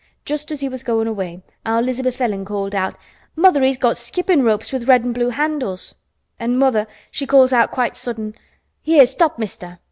Just as he was goin' away our 'Lizabeth Ellen called out, 'Mother, he's got skippin' ropes with red an' blue handles.' An' mother she calls out quite sudden, 'Here, stop, mister!